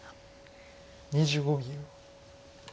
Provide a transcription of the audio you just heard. ２５秒。